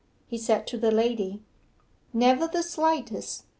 he said to the lady. 'Never the slightest.